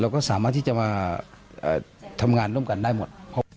ก็สามารถที่จะมาทำงานร่วมกันได้หมด